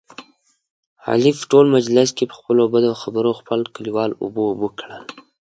علي په ټول مجلس کې، په خپلو بدو خبرو خپل کلیوال اوبه اوبه کړل.